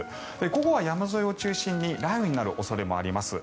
午後は山沿いを中心に雷雨になる恐れもあります。